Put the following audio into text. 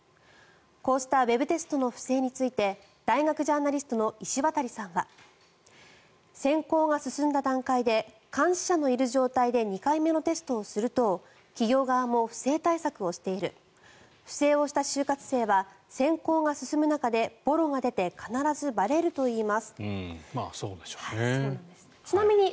こうしたウェブテストの不正について大学ジャーナリストの石渡さんは選考が進んだ段階で監視者のいる状態で２回目のテストをする等企業側も不正対策をしている不正をした就活生は選考が進む中でぼろが出て必ずばれるといいます。